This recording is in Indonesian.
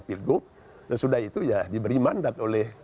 yang kan dipacari ini adalah